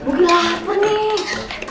aduh aduh aduh aduh